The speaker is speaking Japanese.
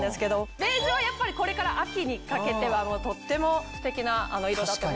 ベージュはやっぱりこれから秋にかけてはとってもステキな色だと思います。